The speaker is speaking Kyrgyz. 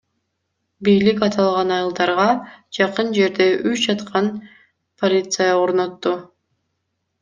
Бийлик аталган айылдарга жакын жерде үч жаткан полиция орнотту.